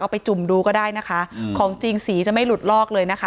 ไปจุ่มดูก็ได้นะคะของจริงสีจะไม่หลุดลอกเลยนะคะ